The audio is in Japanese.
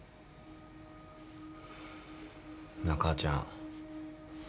なあ母ちゃん。